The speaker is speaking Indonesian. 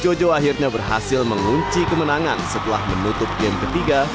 jojo akhirnya berhasil mengunci kemenangan setelah menutup game ketiga dua puluh satu sebelas